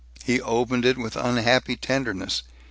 He opened it with unhappy tenderness.